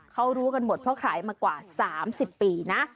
เขารู้กันหมดเพราะขายมากว่า๓๐ปีนะ